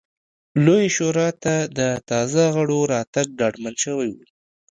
لویې شورا ته د تازه غړو راتګ ډاډمن شوی و